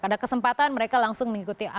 ada kesempatan mereka langsung mengikuti